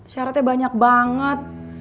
syaratnya banyak banget